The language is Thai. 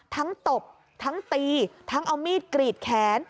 ตบทั้งตีทั้งเอามีดกรีดแขน